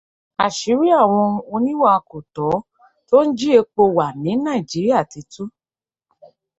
Àṣírí àwọn oníwà kòtọ́ tó ń jí epo wà ní Nàìjíríà ti tú.